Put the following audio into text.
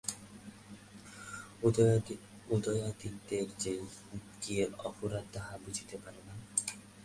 উদয়াদিত্যের যে কি অপরাধ তাহা বুঝিতে পারি না।